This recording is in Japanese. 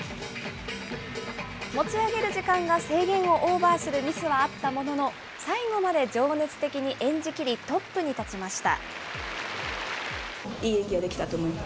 持ち上げる時間が制限をオーバーするミスはあったものの、最後まで情熱的に演じきり、トップに立ちました。